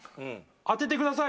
当ててください？